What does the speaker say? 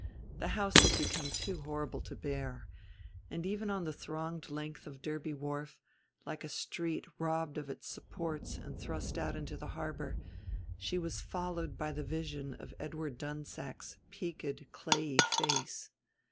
The house had become too horrible to bear; and even on the thronged length of Derby Wharf, like a street robbed of its supports and thrust out into the harbor, she was followed by the vision of Edward Dunsack's peaked clayey face.